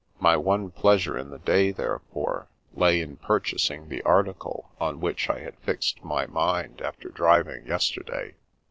My one pleasure in the day, therefore, lay in purchasing the article on which I had fixed my mind after driv ing yesterday.